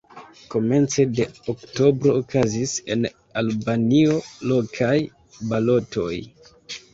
Komence de oktobro okazis en Albanio lokaj balotoj.